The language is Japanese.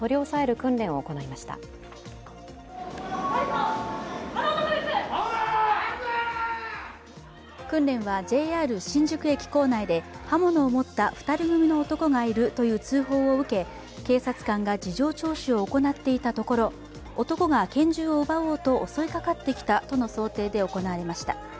訓練はＪＲ新宿駅構内で刃物を持った２人組の男がいるという通報を受け警察官が事情聴取を行っていたところ男が拳銃を奪おうと襲いかかってきたとの想定で行われました。